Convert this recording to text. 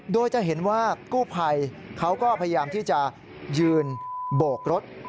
โดยจะเห็นว่ากู้ภัยเขาก็พยายามที่จะยืนโบกรถ